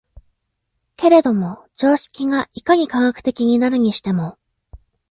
けれども常識がいかに科学的になるにしても、